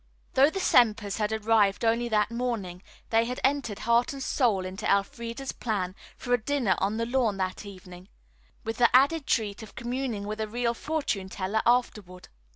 Though the Sempers had arrived only that morning they had entered heart and soul soul into Elfreda's plan for a dinner on the lawn that evening, with the added treat of communing with a real fortune teller afterward.